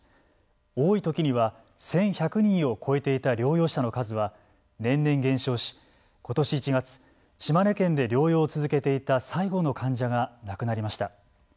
多いときには、１１００人を超えていた療養者の数は年々減少しことし１月、島根県で療養を続けていた最後の患者が亡くなりました。